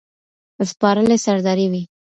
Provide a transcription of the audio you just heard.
سپارلې سرداري وي